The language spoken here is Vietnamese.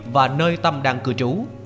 và nơi tâm đang cư trú